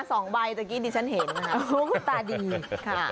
สองใบตะกี้ที่ฉันเห็นค่ะคุณตาดีค่ะ